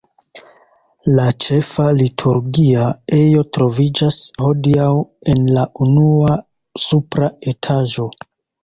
La ĉefa liturgia ejo troviĝas hodiaŭ en la unua supra etaĝo.